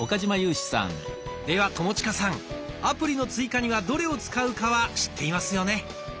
では友近さんアプリの追加にはどれを使うかは知っていますよね？